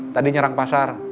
tadi nyerang pasar